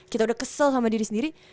kita udah kesel sama diri sendiri